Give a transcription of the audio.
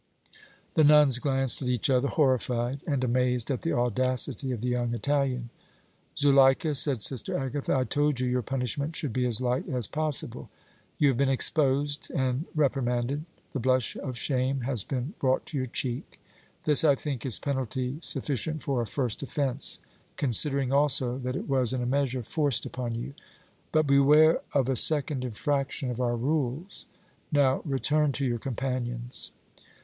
The nuns glanced at each other, horrified and amazed at the audacity of the young Italian. "Zuleika," said Sister Agatha, "I told you your punishment should be as light as possible. You have been exposed and reprimanded; the blush of shame has been brought to your cheek! This, I think, is penalty sufficient for a first offense, considering also that it was, in a measure, forced upon you. But beware of a second infraction of our rules! Now, return to your companions."